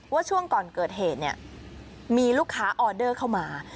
ช่วงก่อนเกิดเหตุเนี่ยมีลูกค้าออเดอร์เข้ามา